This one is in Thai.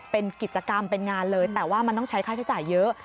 เป็นกิจกรรมเป็นงานเลยแต่ว่ามันต้องใช้ค่าใช้จ่ายเยอะ